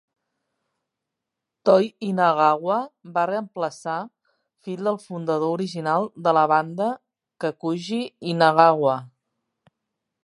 Toi Inagawa va reemplaçar, fill del fundador original de la banda, Kakuji Inagawa.